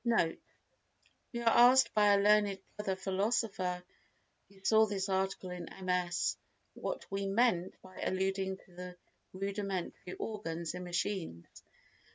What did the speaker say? NOTE.—We were asked by a learned brother philosopher who saw this article in MS. what we meant by alluding to rudimentary organs in machines.